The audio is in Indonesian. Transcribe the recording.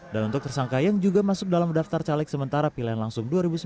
dan untuk tersangka yang juga masuk dalam daftar caleg sementara pilihan langsung dua ribu sembilan belas